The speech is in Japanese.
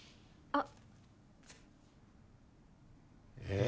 あっ！